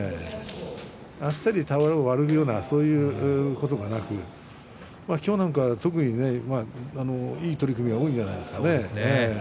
あっさり俵を割るようなそういうことがなく今日なんか特に、いい取組が多いんじゃないですかね。